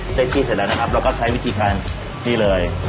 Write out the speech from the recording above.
พอได้พิษเสร็จแล้วนะครับเราก็ใช้วิธีครั้งนี้เลย